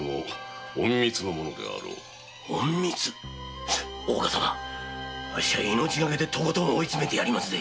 隠密⁉大岡様あっしは命懸けでとことん追い詰めてやりますぜ！